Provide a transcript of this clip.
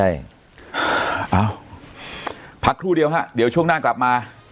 เอ้าพักครู่เดียวฮะเดี๋ยวช่วงหน้ากลับมา